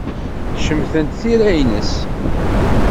Cemtent tira-nnes.